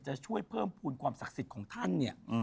จะช่วยเพิ่มภูมิความศักดิ์สิทธิ์ของท่านเนี่ย